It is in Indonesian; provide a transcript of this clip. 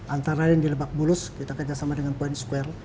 antara lain di lebak mulus kita kerjasama dengan point square